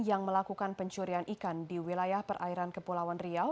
yang melakukan pencurian ikan di wilayah perairan kepulauan riau